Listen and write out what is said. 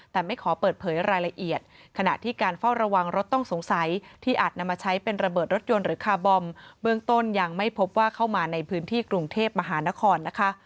แต่ไม่ขอเปิดเผยรายละเอียดขณะที่การเฝ้าระวังรถต้องสงสัยที่อาจนำมาใช้เป็นระเบิดรถยนต์หรือคาร์บอมเบื้องต้นยังไม่พบว่าเข้ามาในพื้นที่กรุงเทพมหานครนะคะ